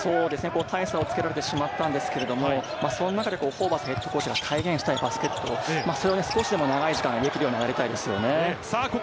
大差をつけられてしまったんですけど、その中でホーバスＨＣが体現したいバスケット、それを少しでも長い時間できるようになりたいですね。